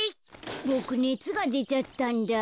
ボクねつがでちゃったんだ。